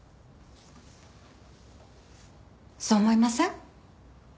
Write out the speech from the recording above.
そう思いません？